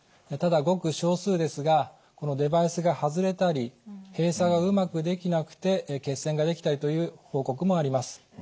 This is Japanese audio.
ただごく少数ですがこのデバイスが外れたり閉鎖がうまくできなくて血栓ができたりという報告もあります。